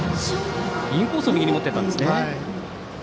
インコースを右に持っていったんですね。